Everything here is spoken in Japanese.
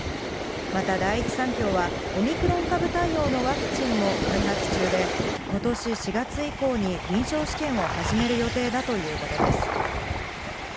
また第一三共は、オミクロン株対応のワクチンも開発中で、ことし４月以降に臨床試験を始める予定だということです。